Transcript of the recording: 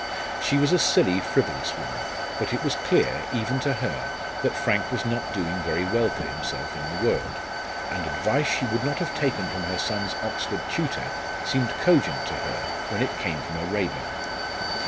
She was a silly, frivolous woman; but it was clear, even to her, that Frank was not doing very well for himself in the world; and advice she would not have taken from her son's Oxford tutor seemed cogent to her when it came from a Raeburn.